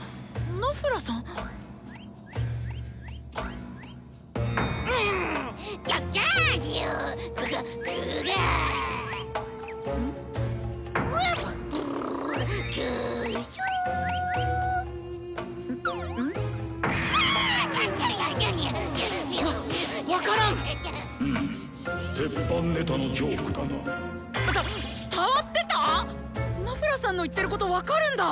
ナフラさんの言ってること分かるんだ！